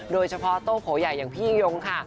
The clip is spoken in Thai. โดยเฉพาะโต๊ะโผอย่ายังพี่ยุงค่ะ